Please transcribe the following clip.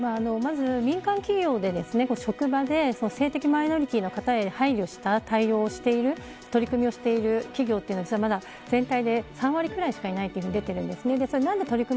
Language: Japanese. まず民間企業で職場で性的マイノリティーの方へ配慮した対応をしている取り組みをしている企業というのは全体でまだ３割ぐらいしかいないというふうに聞いています。